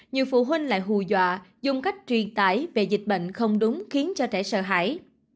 nhiều phụ huynh lại hù dọa dùng cách truyền tải về dịch bệnh không đúng khiến cho trẻ sơ hải